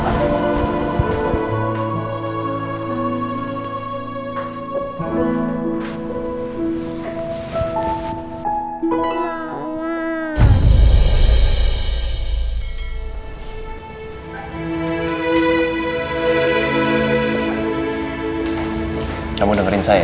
hai kamu dengerin saya